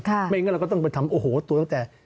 ไม่งั้นเราก็ต้องไปทำโอ้โหตัวตั้งแต่